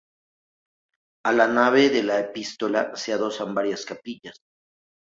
A la nave de la epístola se adosan varias capillas.